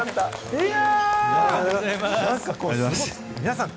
いや！